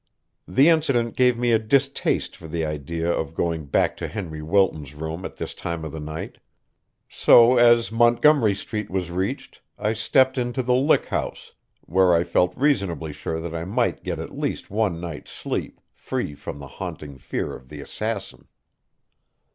The incident gave me a distaste for the idea of going back to Henry Wilton's room at this time of the night. So as Montgomery Street was reached I stepped into the Lick House, where I felt reasonably sure that I might get at least one night's sleep, free from the haunting fear of the assassin.